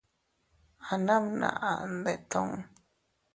Abbnamnaʼa ndettu.